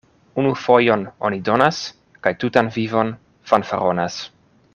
Unu fojon oni donas kaj tutan vivon fanfaronas.